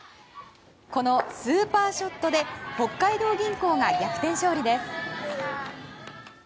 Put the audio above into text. このスーパーショットで北海道銀行が逆転勝利です。